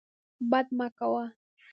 بد مه کوه.